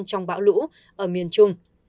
trong bão lũ ở miền trung